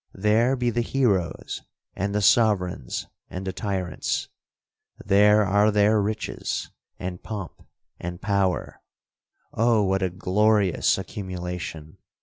There be the heroes, and the sovereigns, and the tyrants. There are their riches, and pomp, and power—Oh what a glorious accumulation!